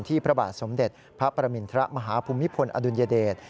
พระบาทสมเด็จพระประมินทรมาฮภูมิพลอดุลยเดช